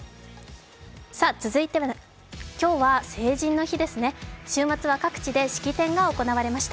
続いて、今日は成人の日ですね週末は各地で式典が行われました。